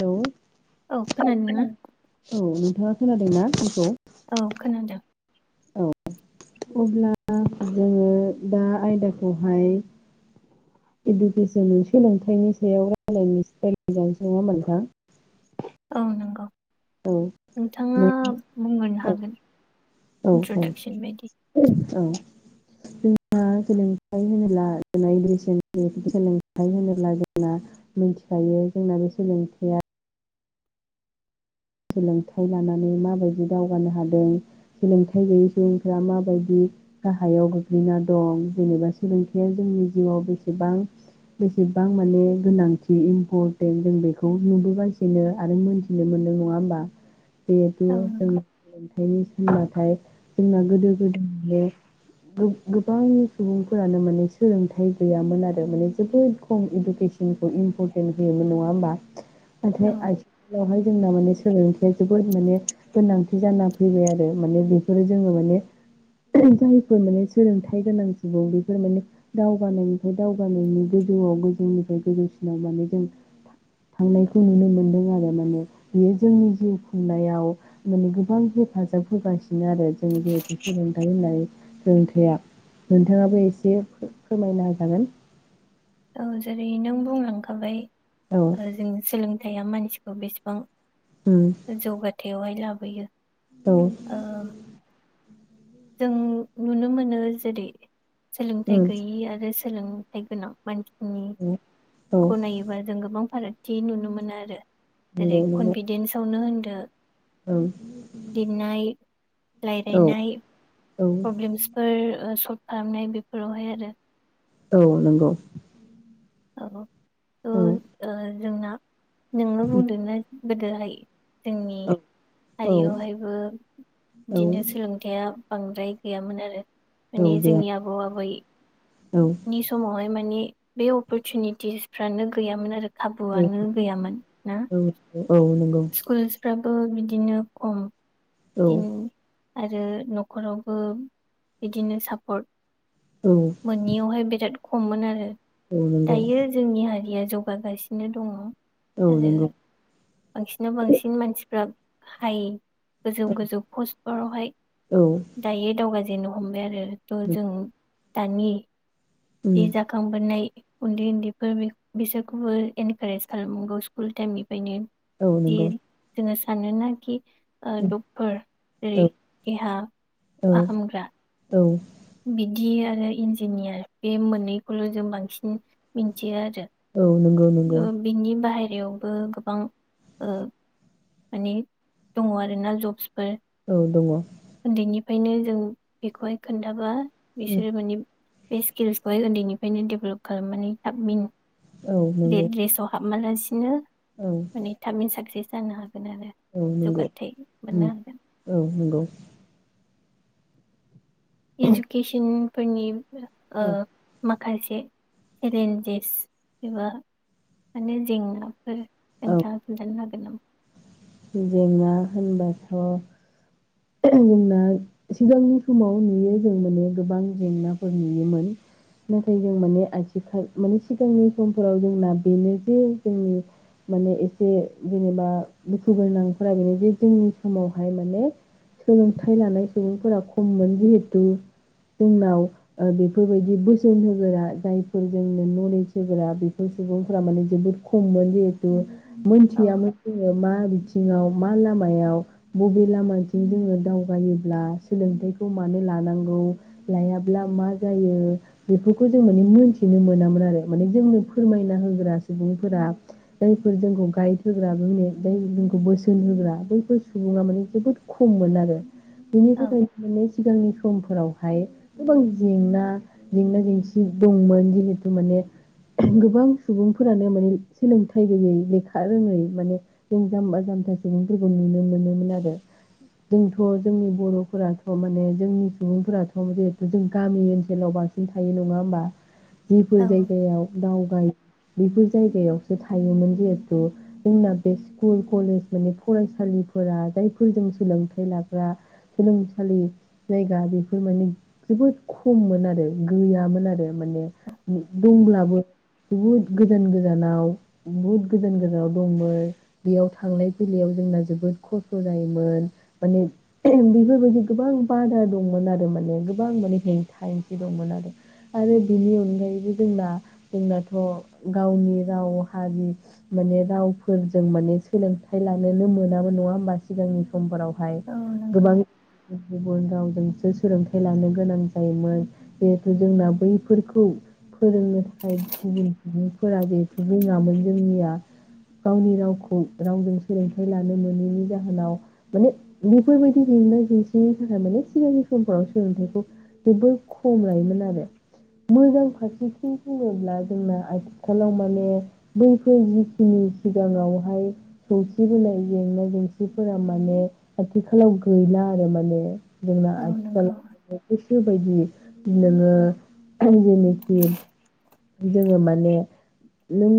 Hello [unintelligible] औ नों नोंथाङा खोनादोंना आंखौ? औ खोनादों औ अब्ला जोङो दा आयदाखौहाय इडडुकेसन सोलोंथाइनि सायाव रायलायनो [unintelligible] नङा होनबा नोंथां औ नंगौ औ नोंथाङा नोंथां बुंग्रोनो औ हागोन औ इन्ट्रडाक्सन बायदि औ औ जोंहा सोलोंथाइ होनोब्ला जोंना सोलोंथाइ होनोब्ला जोंना मोनथिखायो जोंना बे सोलोंथाइया सोलोंथाइ लानानै माबायदि दावगानो हादों सोलोंथाइ गैयै सुबुंफ्रा माबायदि गाहायाव गोग्लैना दं जेनेबा सोलोंथायाइया जोंनि जिउआव बेसेबां बेसेबां माने गोनांथि इम्परटेन्ट जों बेखौ नुबोगासिनो आरो मोन्थिनो मोनदों। नङा होमबा बेबो औ नंगौ जोंनि थाखाय [unintelligible] नाथाय जोंना गोदो गोदाय बे गोबां सुबुंफोरानो माने सोलोंथाइ गैयामोन आरो माने जोबोद खम इडुकेसनखौ इम्परटेन्ट होयोमोन नङा होमबा नाथाय औ आथिखालावहाय जों [unintelligible] सोलोंथाया जोबोद माने गोनांथि जाना फैबाय आरो माने बेफोरो जोङो माने जायफोर माने सोलोंथाइ गोनां सुबुं बेफोर माने दावगानायनिफ्राय दावगानायनि गोजौआव गोजौनिफ्राय गोजौसिनाव माने जों थांनायखौ नुनो मोनदों आरो माने बेयो जोंनि जिउ खुंनायाव माने गोबां हेफाजाब होगासिनो आरो जों जिहेथु सोलोंथाइ होननाय सोलोंथाया नोंथाङाबो एसे फोरमायना होजागोन औ जेरै नों बुंलांखाबाय औ आरो जोंनि सोलों थाइया मानसिखौ बेसेबां उम जौगाथायावहाय ला बोयो औ ओ जों नुनो मोनो जेरै सोलोंथाइ उम गैयि आरो सोलोंथाइ गोनां मान नि औ औ गनायोबा जों गोबां फाराग बिदि नुनो मोनो आरो जेरै नंगौ नंगौ कनफिदेन्सावनो होन [unintelligible] ओं लिरनाय औ रायलायनाय औ प्रोब्लेम्सफोर सलफ खालामनाय बेफोरावहाय आरो औ नंगौ औ औ आ जोंना नोंनो बुंदोना गोदोहाय जोंनि औ औ हारियावहायबो औ बिदिनो सोलोंथाइया बांद्राय गैयामोन आरो औ माने बे जोंनि आबौ आबै औ नि समावहाय माने बे अपरसुनिटिसफ्रानो गैयामोन आरो औ खाबुआनो औ औ नंगौ स्कुल फ्राबो बिदिनो खम औ [inaudible] आरो न'खरावबो बिदिनो सापर्ट औ मोनियावहाय बेराद खममोन आरो औ नंगौ दायो जोंनि हारिया जौगागासिनो दङ औ आरो नोंगौ बांसिनाव बांसिन मानसिफ्रा हाय गोजौ गोजौ पस्टफोरावहाय औ दायो दावगाजेननो हमबाय आरो [unintelligible] जों दानि बे जाखांबोनाय उन्दै उन्दैफोर बिसोरखौबो इनकारेज खालामनांगौ स्कुल टाइमनि बेनो उम औ जि नंगौ औ जोङो [unintelligible] डक्टर औ जेरै देहा औ फाहामग्रा बिदि आरो इन्जिनियार बे मोननैखौल' जों बांसिन मिथियो आरो औ नंगौ नंगौ यावबो गोबां मानि दङ आरो ना जबस फोर औ दङ उनदैनिफ्रायनो जों बेखौहाय खोन्थाबा बिसोरो माने बे स्किल्सखौहाय उन्दैनिफ्रायनो डेभेलप खालामनानै थाब मिनथिनो औ नंगौ [unintelligible] औ माने थाबैनो साक्सेस जानो हागोन आरो औ नंगौ जौगाथाय मोननो हागोन औ नंगौ एजुकेसन फोरनि ओ औ मा माखासे चेलेन्जेस एबा माने जेंनाफोर औ नोंथाङा खोनथानो हागोन ना [inaudible] जेंना होनबाथ' जोंना सिगांनि समाव नुयो जों माने गोबां जेंनाफोर नुयोमोन नाथाय जों माने आथिखाल माने सिगांनि समफोराव जोंना बेनो जे जोंनि माने एसे जेनेबा दुखु गोनांफोरा बेनो जे जोंनि समावहाय माने सोलोंथाइ लानाय सुबुंफोरा खममोन जिहेथु जोंनाव बेफोरबायदि बोसोन होगोरा जायफोर जोंनो नलेज होग्रा बेफोर सुबुंफोरा माने जोबोद खममोन जिहेथु औ मोनथियामोन जोङो मा बिथिङाव मा लामायाव बबे लामा जोङो दावगायोब्ला सोलोंथाइखौ मानो लानांगौ लायाब्ला मा जायो बेफोरखौ जों माने मोनथिनो मोनामोन आरो माने जोंनो फोरमायना होग्रा सुबुंफोरा जायफोर जोंखौ गाइड होग्रा जाय जोंखौ बोसोन होग्रा बैफोर सुबुङा माने जोबोद खममोन आरो बेनि औ थाखायनोै सिगांनिफ्राय समफोरावहाय गोबां जेंना जेंना जेंसि दंमोन जिहेथु माने गोबां सुबुंफोरानो माने सोलोंथाइ गैयै लेखा रोङै माने जों जाम्बा जाम्था सुबुंफोरखौ नुनो मोनोमोन आरो जोंथ' जोंनि बर'फोराथ' माने जोंनि सुबुंफोराथ' जिहेथु जों गामि ओनसोलाव बांसिन थायो नङा होमबा? जिफोर औ जायगायाव दाव बेफोर जायगायावसो थायोमोन जिहेथु जोंना बे स्कुल कलेज माने फरायसालिफोरा जायफोरजों सोलोंथाइ लाग्रा सोलोंसालि जायगा बेफोर माने जोबोद खममोन आरो गैयामोन आरो माने दंब्लाबो जोहुद गोजान गोजानाव बहुद गोजान गोजानाव दंमोन बेयाव थांलाय फैलायायाव जोंना जोबोद खस्थ' जायोमोन। माने बेफोरबायदि गोबां बादा दंमोन आरो माने गोबां माने हेंथा हेंथि दंमोन आरो आरो बेनि अनगायैबो जोंना जोंनाथ' गावनि राव हारि माने रावफोरजों माने सोलोंथाइ लानोनो मोनामोन नङा होमबा सिगांनि खमबाराव खाय औ नंगौ गोबां गुबुन रावजोंसो सोलोंथाइ लानो गोनां जायोमोन जिहेथु जोंना बैफोरखौ फोरोंनो थाखाय गुबुन सुबुंफोरा जिहेथु रोङामोन जोंनिया गावनि रावखौ रावजों सोलोंथाइ लानो मोनैनि जाहोनाव माने बेफोरबायदि जेंना जेंसिनि थाखाय माने सिगांनि समफोराव सोलोंथाइखौ जोबोर खम लायोमोन आरो मोजां फारसेथिं बुङोब्ला जोंना आथिखालाव माने बैफोर जिखिनि सिगाङावहाय सौसि बोनाय जेंना जेंसिफोरा म माने आथिखालाव गैला आरो माने जोंना औ आथिखाल नंगौ [unintelligible] बायदि नोङो जेनोखि जोङो माने नों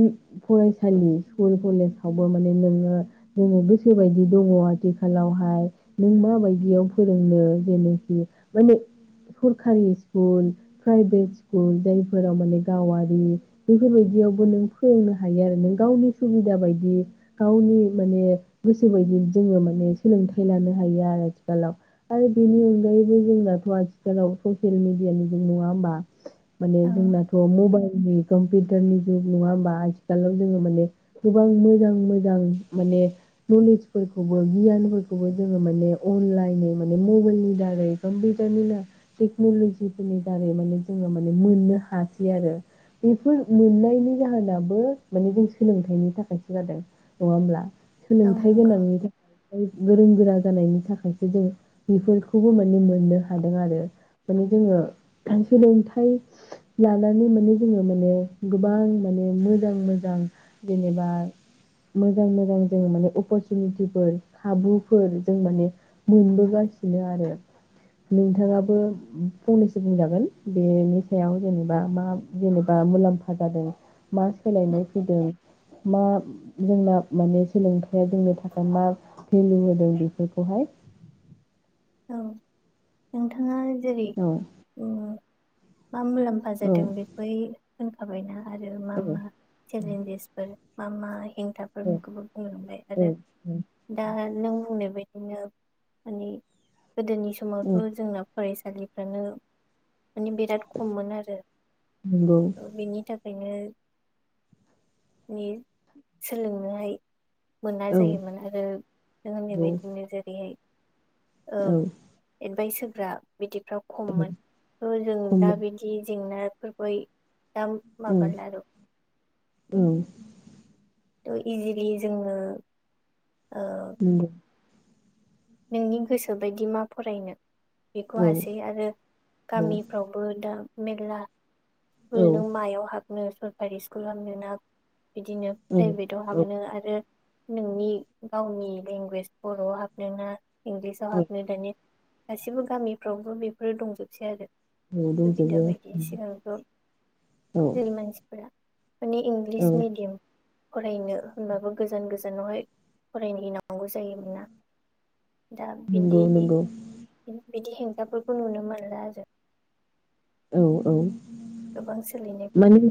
फरायसालि स्कुल कलेजावबो माने नोङो जोङो गोसोबायदि दङ आरो आथिखालावहाय नों माबायदियाव फोरोंनो जेनोखि माने सरखारि स्कुल प्राइभेट स्कुल जायफोराव माने गावारि बेफोरबायदियावबो नों फोरोंनो हायो आरो नों गावनि सुबिदा बायदि गावनि माने गोसो बायदि जोङो माने सोलोंथाइ लानो हायो आरो आथिखालाव आरो बेनि अनगायैबो जोंनाथ' आथिखालाव ससियेल मिडियानि जुग नङा होमबा। माने औ जोंनाथ' मबाइलनि कम्पिउटारनि जुग नङा होमबा आथिखालाव जोङो माने गोबां मोजां मोजां माने नलेजफोरखौ गियानफोरखौबो जोङो माने अनलाइन माने मबाइलनि दारै कम्पिउटारनि टेक्नलजिफोरनि दारै माने जोङो माने मोननो हासै आरो बेफोर मोननायनि जाहोनाबो माने जों सोलोंथाइनि थाखायसो जादों नङा होमब्ला? औ सोलोंथाइ नंगौ गोनां। गोरों गोरा जानायनि थाखायसो जों बेफोरखौबो माने मोननो हादों आरो माने जोङो सोलोंथाइ लानानै माने जोङो माने गोबां माने मोजां मोजां जेनेबा मोजां मोजां जों माने अपरसुनिटि खाबुफोर जों माने मोनबोगासिनो आरो नोंथाङाबो फंनैसो बुंजागोन बेनि सायाव जेनेबा मा जेनेबा मुलाम्फा जादों मा सोलायनाय फैदों मा जोंना माने सोलोंथाइया जोंनि थाखाय मा भेलु होदों बेफोरखौहाय औ नोंथाङा। जेरै औ औ मा मुलाम्फा औ जादों बेखौ बुंखाबायना आरो मा औ मा चेलेन्जेसफोर मा मा हेंथाफोर औ बेखौबो बुंलांबाय औ आरो दा नों बुंनाय बायदिनो माने गोदोनि औ समावथ' जोंना फरायसालिफ्रानो माने बिराद खममोन आरो नंगौ बेनि थाखाय नो नि सोलोंनोहाय मोना औ जायोमोन आरो नों होननाय बायदिनो जेरैहाय औ एडभाइस होग्रा बिदिफ्राव औ खममोन थ' जों दा खुमो बिदि जेंनाफोरबो [unintelligible] उम थ इजिलि जोङो ओ नंगौ नोंनि गोसो बायदि मा फरायनो बेखौ औ हासै आरो औ गामिफ्रावबो दा मेरला स्कुल औ नों मायाव हाबनो सरकारि स्कुलाव हाबनोना बिदिनो औ प्राइभेटआव हाबनो आरो नोंनि गावनि लेंगुवेज बर'आव हाबनो ना इंलिसाव औ हाबनो दानि गासिबो गामिफ्रावबो बेफोरो दंजोबसै आरो औ सुबिदा दंजोबो बायदि सिगांथ' औ जोंनि मानसिफोरा माने औ इंलिस मेडियाम फरायनो होनबाबो गोजान गोजानावहाय फरायनो हैनांगौ जायो मोनना दा बिदि नंगौ नंगौ बिदि हेंथाफोरखौ नुनो मोनला जों औ औ गोबांसिन माने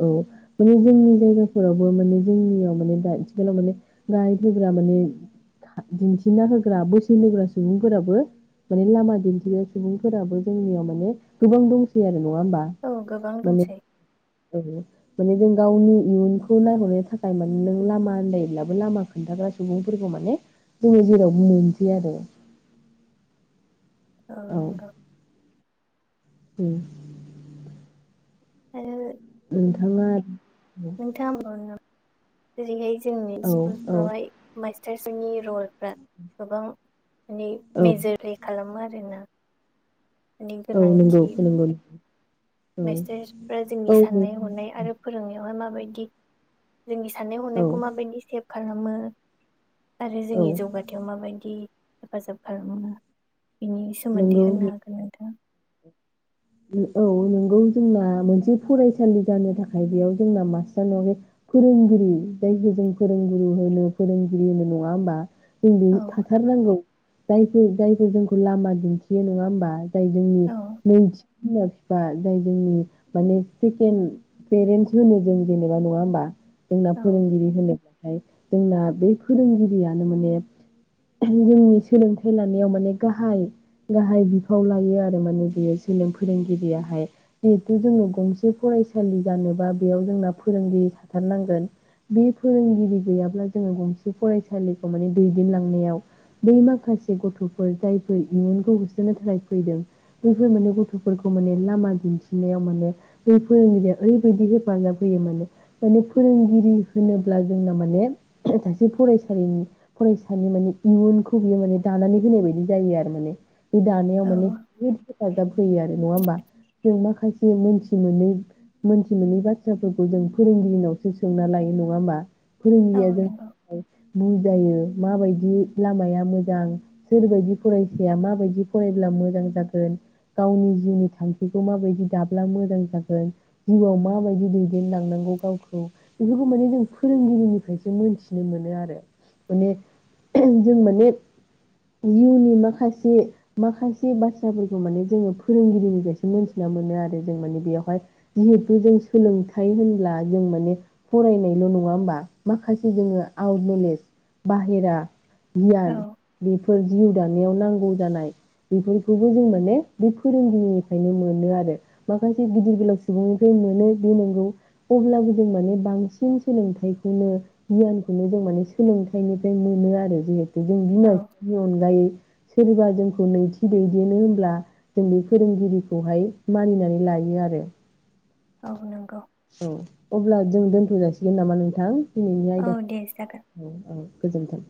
औ औ माने जोंनि जायगाफोरावबो माने जोंनियाव माने दा आथिखालाव माने गाइड होग्रा माने दिन्थिना होग्रा बोसोन होग्रा सुबुंफोराबो माने लामा दिन्थिग्रा सुबुंफोराबो जोंनियाव माने गोबां दंसै आरो नङा होमबा औ गोबां माने दंसै औ माने जों गावनि इयुनखौ नायहरनो थाखाय माने नों लामा आन्दायोब्लाबो लामा खोन्थाग्रा सुबुंफोरखौ माने जोङो जेरावबो मोनासै आरो औ नंगौ औ आरो नोंथाङा आरो [unintelligible] जेरैहाय जोंनि औ औ स्कुलफ्रावहाय मास्टारसनि रलफ्रा गोबां माने औ मेजोरै खालामो आरोना माने औ नंगौ गोनांथि नंगौ औ मास्टारफ्रा जोंनि औ साननाय हनाय आरो फोरोंनायावहाय माबायदि जोंनि साननाय औ हनायखौ माबायदि सेप खालामो आरो औ जोंनि जौगाथायाव माबायदि हेफाजाब खालामो बिनि सोमोन्दै नंगौ होननो हागोन नोंथाङा औ नोंगौ जोंना मोनसे फरायसालि जानो थाखाय बेयाव जोंना मास्टार नङा फोरोंगिरि जायखौ जों फोरोंगुरु होनो फोरोंगिरि होनो नङा होमबा जों बे औ थाथारनांगौ जायफोर जायफोर जोंखौ लामा दिन्थियो नङा होमबा जाय जोंनि औ नैथि बिमा बिफा जाय जोंनि माने सेकेणड पेरेन्स होनो जों जेनेबा नङा होमबा जोंना औ फोरोंगिरि होनदों जोंना बे फोरोंगिरियानो माने जोंनि सोलोंथाइ लानायाव माने गाहाय गाहाय बिफाव लायो आरो माने बियो सोलोंथाइ फोरोंगिरियाहाय जिहेथु जोङो गंसे फरायसालि जानोबा बेयाव जोंना फोरोंगिरि थाथारनांगोन बे फोरोंगिरि गैयाब्ला जोङो गंसे फरायसालिखौ माने दैदेनलांनायाव बै माखासे गथ'फोर जायफोर इयुनखौ होसोनो थाखाय फैदों बैफोर माने गथ' गुथुफोरखौ माने लामा दिन्थिनायाव माने बे फोरोंगिरिया ओरैबायदि हेफाजाब होयो माने माने फोरोंगिरि होनोब्ला जोंना माने सासे फरायसालिनि फरायसानि माने इयुनखौ बियो माने दानानै होनाय बायदि जायो आरो माने बि दानायाव औ माने जोबोद हेफाजाब फैयो आरो नङा होमबा जों माखासे मोनथि मोनै मोनथि मोनै बाथ्राफोरखौ जों फोरोंगिरिनावसो सोंना लायो नङा होमबा औ फोरोंगिरिया नंगौ जोंखौहाय [unintelligible] जायो माबायदि लामाया मोजां सोरबायदि फरायसाया माबायदि फरायब्ला मोजां जागोन गावनि जिउनि थांखिखौ माबायदि दाब्ला मोजां जागोन जिउआव माबायदि दैदेनलांनांगौ गावखौ बेफोरखौ माने जों फोरोंगिरिनिफ्रायसो मोनथिनो मोनो आरो माने जों माने जिउनि माखासे माखासे बाथ्राफोरखौ माने जोङो फोरोंगिरिनिफ्रायसो मिथिना मोनो आरो जों माने बेयावहाय जिहेथु जों सोलोंथाइ होनब्ला जों माने फरायनायल' नङा होमबा माखासे जोङो आउट नलेज बाहेरा औ गियान बेफोर जिउ जानायाव नांगौ जानाय बेफोरखौबो जों माने बे फोरोंगिरिनिफ्रायनो मोनो आरो माखासे गिदिर गोलाव सुबुंनिफ्राय मोनो बे नोंगौ अब्लाबो जों माने बांसिन सोलोंथाइखौनो गियानखौनो जों माने सोलोंथाइनिफ्राय मोनो आरो जि जों औ बिमा बिफा बिनि अनगायै सोरबा जोंखौ नैथि दैदेनो होनब्ला जों बे फोरोंगिरिखौहाय मानिनानै लायो आरो औ नंगौ औ अब्ला जों दोनथ' जासिगोन नामा नोंथां दिनैनि औ आयदा दे जागोन औ औ गोजोन्थों